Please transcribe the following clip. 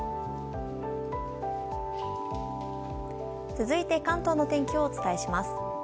続いて、関東の天気をお伝えします。